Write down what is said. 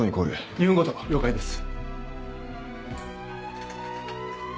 ２分ごと了解です。